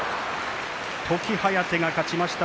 時疾風が勝ちました。